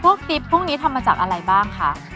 ติ๊บพวกนี้ทำมาจากอะไรบ้างคะ